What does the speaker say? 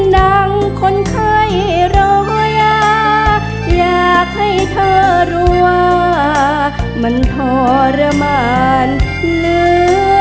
น้องคนเคยเราอยากอยากให้เธอรู้ว่ามันทรมานเหลือเกิน